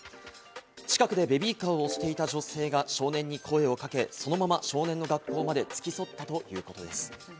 近くでベビーカーを押していた女性が少年に声をかけ、そのまま少年の学校まで付き添ったということです。